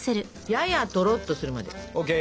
ややとろっとするまで。ＯＫ。